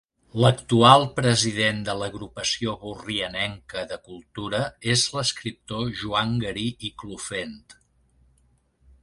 L'actual president de l'Agrupació Borrianenca de Cultura és l'escriptor Joan Garí i Clofent.